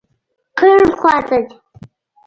کیڼ خواته ځئ